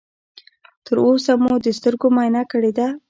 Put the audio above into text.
تر اوسه مو د سترګو معاینه کړې ده؟